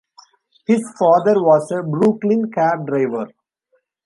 His father was a Brooklyn cab driver.